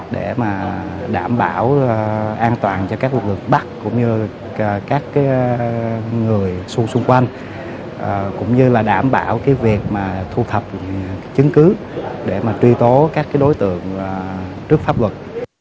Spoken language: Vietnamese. để đảm bảo an toàn cho các lực lượng bắt cũng như các người xung quanh cũng như đảm bảo việc thu thập chứng cứ để truy tố các đối tượng trước pháp luật